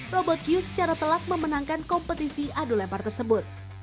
robot view secara telak memenangkan kompetisi adu lempar tersebut